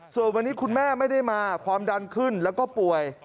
ส่วนวันนี้คุณแม่ไม่ได้มาความดันขึ้นแล้วก็ป่วย